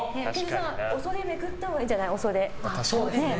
お袖、めくったほうがいいんじゃない？